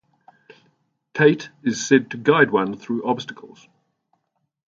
Tate is said to guide one through obstacles.